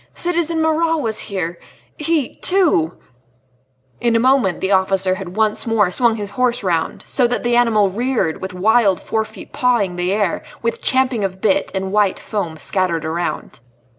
Citizen Marat was here.... He, too " In a moment the officer had once more swung his horse round, so that the animal reared, with wild forefeet pawing the air, with champing of bit, and white foam scattered around.